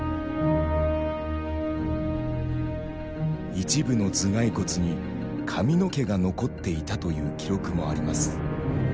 一部の頭蓋骨に髪の毛が残っていたという記録もあります。